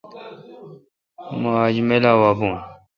مہ آج میلہ وا بون۔